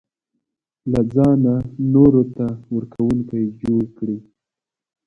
له ځانه نورو ته ورکوونکی جوړ کړي.